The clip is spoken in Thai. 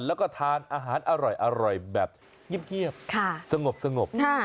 แล้วก็ทานอาหารอร่อยแบบเงียบสงบ